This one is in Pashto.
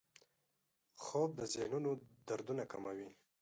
خوب د ذهنو دردونه کموي